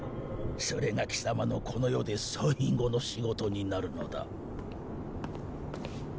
それがキサマのこの世で最後の仕事になるのだ。